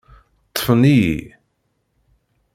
Ṭṭfen-iyi.